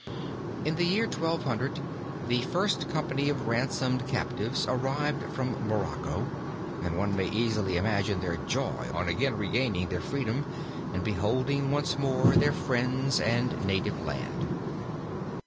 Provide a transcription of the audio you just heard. In the year 1200 the first company of ransomed captives arrived from Morocco, and one may easily imagine their joy on again regaining their freedom and beholding once more their friends and native land.